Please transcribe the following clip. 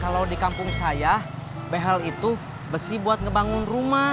kalau di kampung saya behel itu besi buat ngebangun rumah